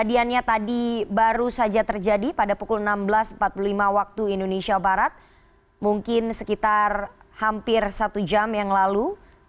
kejadiannya tadi baru saja terjadi pada pukul enam belas empat puluh lima waktu indonesia barat mungkin sekitar hampir satu jam yang lalu